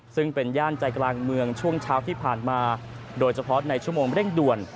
ซึ่งเป็นย่านใจกลางเมืองช่วงเช้าที่ผ่านมาโดยเฉพาะในชั่วโมงเร่งด่วน